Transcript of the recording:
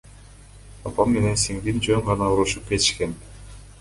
Апам менен сиңдим жөн гана урушуп кетишкен.